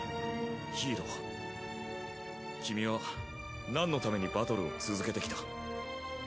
ヒイロ君はなんのためにバトルを続けてきた？